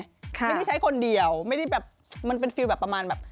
ไม่ได้ใช้คนเดียวไม่ได้แบบมันเป็นฟิลแบบประมาณแบบ